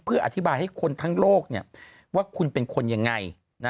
เพื่ออธิบายให้คนทั้งโลกว่าคุณเป็นคนยังไง